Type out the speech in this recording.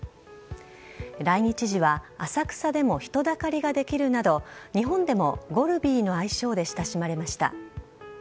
来日時は浅草でも人だかりができるなど日本でもゴルビーの愛称で親しまれました。